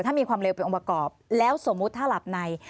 ถ้ามีความเร็วเป็นองค์ประกอบแล้วสมมุติถ้าหลับใน